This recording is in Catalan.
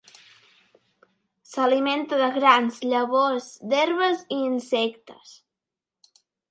S'alimenta de grans, llavors d'herbes i insectes.